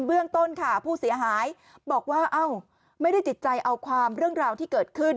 เบื้องต้นค่ะผู้เสียหายบอกว่าเอ้าไม่ได้ติดใจเอาความเรื่องราวที่เกิดขึ้น